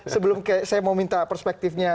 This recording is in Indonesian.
sebelum saya mau minta perspektifnya